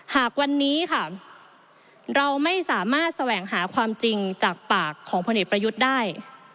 หากวันนี้ค่ะเราไม่สามารถแสวงหาความจริงจากปากของพลเอกประยุทธ์ได้